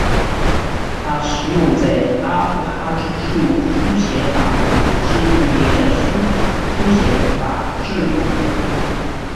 它使用在阿布哈兹字母书写法等之语言的书写法字母表中。